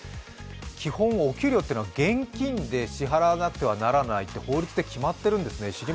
基本お給料っていうのは現金で支払わなければならないと法律で決まっているんですね。